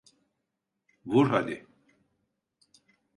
Vur hadi!